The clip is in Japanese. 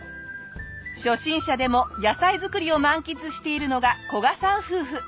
初心者でも野菜作りを満喫しているのが古賀さん夫婦。